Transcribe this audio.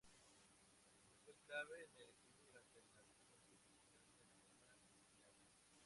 Él fue clave en el equipo durante las siguientes campañas con La Equidad.